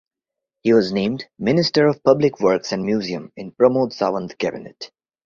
He was named Minister of Public Works and Museum in Pramod Sawant cabinet.